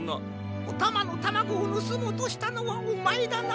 おたまのタマゴをぬすもうとしたのはおまえだな？